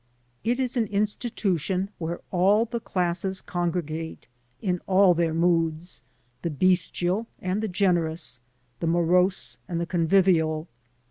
It is an institution where all the classes congregate in all their moods — ^the bestial and the generous, the morose and the convivial.